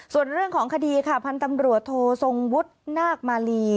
ส่วนเรื่องของคดีค่ะพันธ์ตำรวจโททรงวุฒินาคมาลี